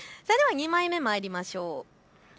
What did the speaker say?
２枚目、参りましょう。